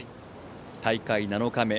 大会７日目